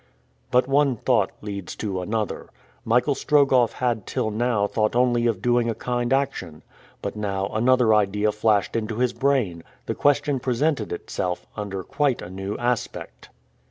But one thought leads to another. Michael Strogoff had till now thought only of doing a kind action; but now another idea flashed into his brain; the question presented itself under quite a new aspect.